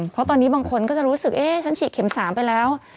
เพราะตอนนี้บางคนก็จะรู้สึกเอ๊ะฉันฉีดเข็ม๓ไปแล้ว